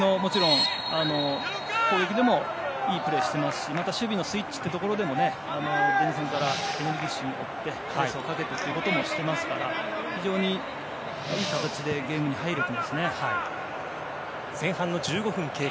攻撃でもいいプレーしてますしまた、守備のスイッチというところでも、前線からエネルギッシュに追ってプレスをかけるということもしていますから非常にいい形でゲームに入れてますね。